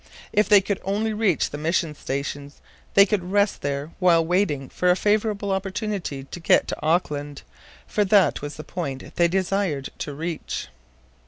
If they could only reach the mission stations they could rest there while waiting for a favorable opportunity to get to Auckland, for that was the point they desired to reach.